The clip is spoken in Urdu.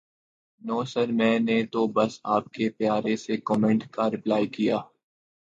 نو سر میں نے تو بس آپ کے پیارے سے کومینٹ کا رپلائے کیا